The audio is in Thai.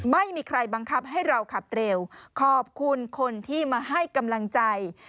ไม่มีใครบังคับให้เราขับเร็วขอบคุณคนที่มาให้กำลังใจ